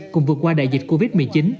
cùng vượt qua đại dịch covid một mươi chín